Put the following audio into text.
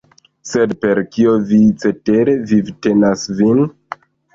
Sed per kio vi cetere vivtenas vin?